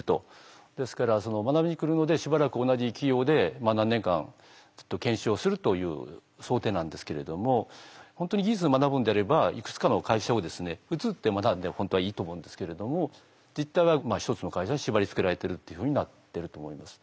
ですから学びに来るのでしばらく同じ企業でまあ何年間ずっと研修をするという想定なんですけれども本当に技術を学ぶんであればいくつかの会社を移って学んで本当はいいと思うんですけれども実態は１つの会社に縛りつけられてるっていうふうになってると思います。